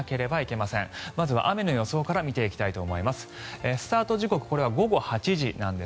まずは雨の予想から見ていきたいと思います。